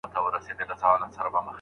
د دې خمارو ماښامونو نه به وځغلمه